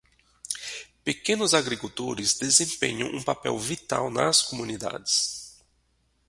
Pequenos agricultores desempenham um papel vital nas comunidades.